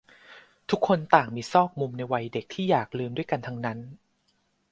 ทุกคนต่างมีซอกมุมในวัยเด็กที่อยากลืมด้วยกันทั้งนั้น